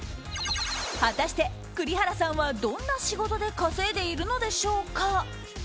果たして、栗原さんはどんな仕事で稼いでいるのでしょうか。